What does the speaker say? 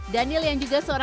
daniel yang juga seorang